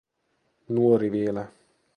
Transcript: Nuori vielä.